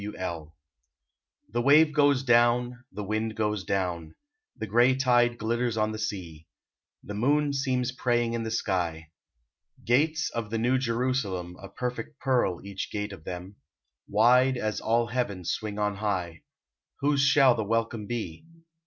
W. L. The wave goes down, the wind goes down, The gray tide glitters on the sea, The moon seems praying in the sky. Gates of the New Jerusalem (A perfect pearl each gate of them) Wide as all heaven swing on high; Whose shall the welcome be?